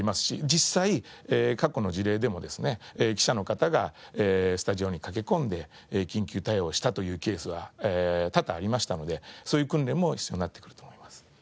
実際過去の事例でもですね記者の方がスタジオに駆け込んで緊急対応をしたというケースは多々ありましたのでそういう訓練も必要になってくると思います。